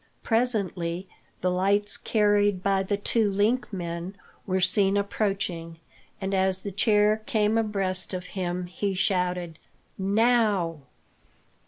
Presently, the lights carried by the two link men were seen approaching, and, as the chair came abreast of him, he shouted: "Now!"